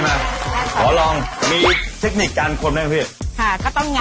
ค่ะก็ต้องงัดจากข้างล่างขึ้นมาข้างบนหน่อยค่ะ